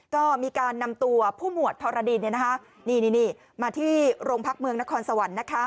ก็มีการนำตัวผู้หมวดธรดินมาที่โรงพักเมืองนครสวรรค์